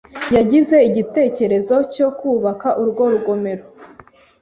yagize igitekerezo cyo kubaka urwo rugomero,